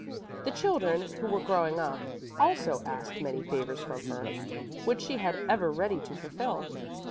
The children, who were growing up, also asked many favors from her, which she was ever ready to fulfill.